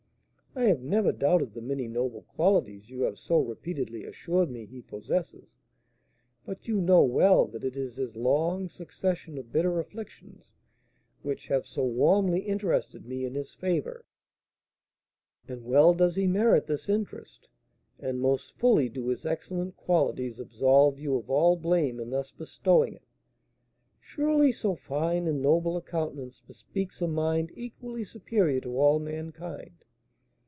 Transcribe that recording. "I have never doubted the many noble qualities you have so repeatedly assured me he possesses, but you know well that it is his long succession of bitter afflictions which have so warmly interested me in his favour." "And well does he merit this interest, and most fully do his excellent qualities absolve you of all blame in thus bestowing it. Surely so fine and noble a countenance bespeaks a mind equally superior to all mankind.